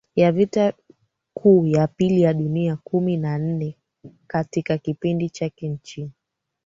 ya Vita Kuu ya Pili ya Dunia Kumi na nne Katika kipindi chake nchini